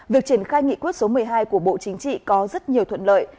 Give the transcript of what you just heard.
việc triển khai nghị quyết số một mươi hai của bộ chính trị có rất nhiều thuận lợi